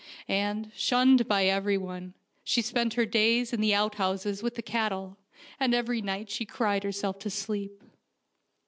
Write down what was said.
And, shunned by everyone, she spent her days in the out houses with the cattle, and every night she cried herself to sleep.